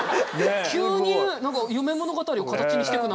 急に何か夢物語を形にしてくな。